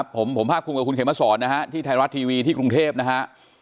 ผมฆ่าคุณกับคุณเขมท์ศรที่ไทยรัสทีวีกรุงเทพฯนะฮะ